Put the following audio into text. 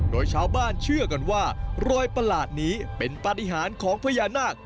โดยชาวบ้านเชื่อกันว่ารอยประหลาดนี้เป็นปฏิหารของพญานาค